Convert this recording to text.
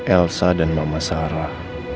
elsa dan mama sarah